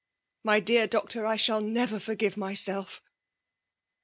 My dear doctor, I shall never forgive myself!